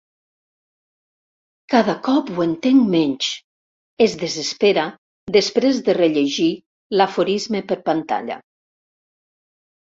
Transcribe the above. Cada cop ho entenc menys —es desespera després de rellegir l'aforisme per pantalla—.